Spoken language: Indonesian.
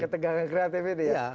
ketegangan kreatif ini ya